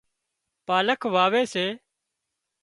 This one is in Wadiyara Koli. پالڪ واوي سي